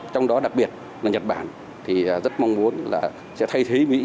trong đó đặc biệt là nhật bản thì rất mong muốn là sẽ thay thế mỹ